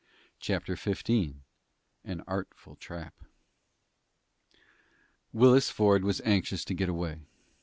CHAPTER XV AN ARTFUL TRAP Willis Ford was anxious to get away.